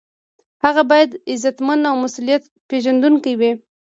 هغه باید عزتمند او مسؤلیت پیژندونکی وي.